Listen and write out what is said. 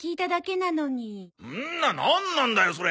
ななんなんだよそれ！